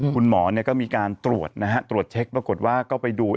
คุณหมอก็มีการตรวจนะฮะตรวจเช็คปรากฏว่าก็ไปดู